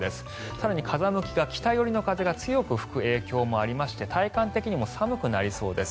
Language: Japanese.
更に風向きが北寄りの風が強く吹く影響もありまして体感的にも寒くなりそうです。